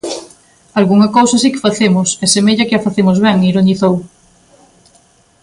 Algunha cousa si que facemos, e semella que a facemos ben, ironizou.